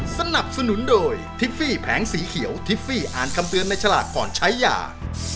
สนับสนุนโดยทิฟฟี่แผงสีเขียวทิฟฟี่อ่านคำเตือนในฉลากก่อนใช้ยา